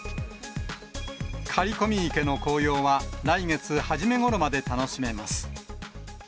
刈込池の紅葉は来月初めごろまで楽しめます。